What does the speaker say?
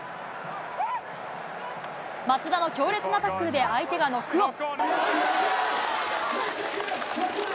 松田の強烈なタックルで相手がノックオン。